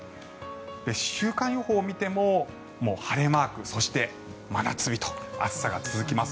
週間予報を見てももう晴れマーク、そして真夏日と暑さが続きます。